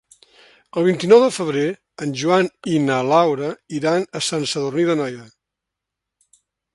El vint-i-nou de febrer en Joan i na Laura iran a Sant Sadurní d'Anoia.